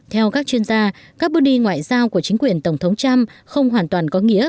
theo các chuyên gia các bước đi ngoại giao của chính quyền tổng thống trump không hoàn toàn có nghĩa